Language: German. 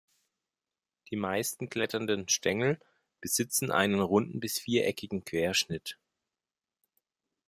Die meist kletternden Stängel besitzen einen runden bis viereckigen Querschnitt.